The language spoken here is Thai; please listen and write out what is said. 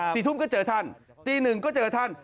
สี่ทุ่มก็เจอท่านตีหนึ่งก็เจอท่าน